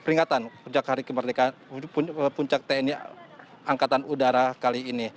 untuk peringatan puncak tni angkatan udara kali ini